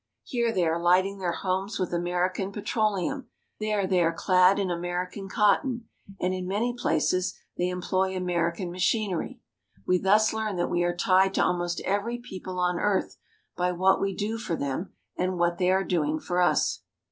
Here they are lighting their homes with American petroleum, there they are clad in American cotton, and in many places they employ American machin ery. We thus learn that we are tied to almost every people on earth by what we do for them and what they are doing for us.